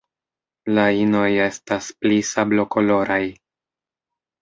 La inoj estas pli sablokoloraj.